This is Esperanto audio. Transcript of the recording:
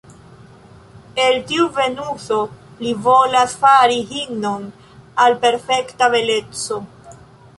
El tiu Venuso li volas fari himnon al perfekta beleco.